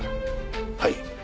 はい。